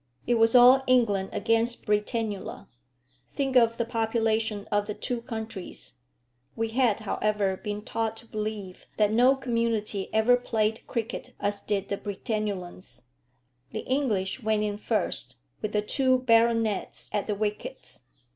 It was all England against Britannula! Think of the population of the two countries. We had, however, been taught to believe that no community ever played cricket as did the Britannulans. The English went in first, with the two baronets at the wickets.